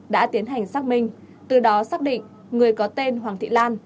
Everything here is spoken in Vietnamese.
đã tiến hành xác minh từ đó xác định người có tên hoàng thị lan